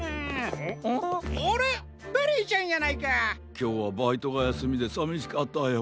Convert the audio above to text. きょうはバイトがやすみでさみしかったよ。